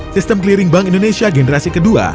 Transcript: sistem clearing bank indonesia generasi kedua